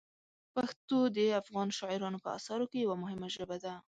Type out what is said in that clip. پښتو د افغان شاعرانو په اثارو کې یوه مهمه ژبه ده.